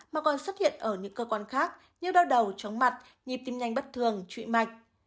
mà còn xuất hiện ở những cơ quan khác như đau đầu chóng mặt nhịp tim nhanh bất thường trụy mạch